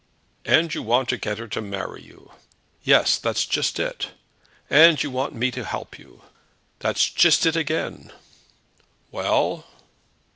"And you want to get her to marry you?" "Yes; that's just it." "And you want me to help you?" "That's just it again." "Well?"